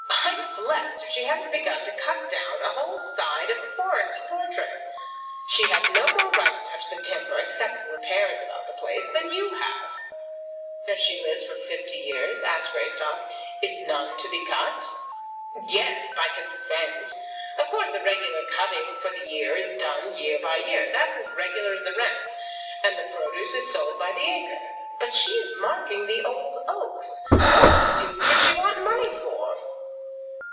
I'm blessed if she hasn't begun to cut down a whole side of a forest at Portray. She has no more right to touch the timber, except for repairs about the place, than you have." "And if she lives for fifty years," asked Greystock, "is none to be cut?" "Yes; by consent. Of course the regular cutting for the year is done, year by year. That's as regular as the rents, and the produce is sold by the acre. But she is marking the old oaks. What the deuce can she want money for?"